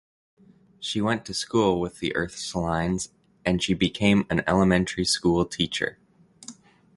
She went to school with the Ursulines and she became an elementary school teacher.